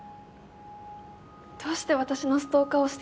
どうして私のストーカーをしていたのかとか。